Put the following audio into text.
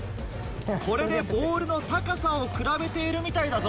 これでボールの高さを比べているみたいだぞ。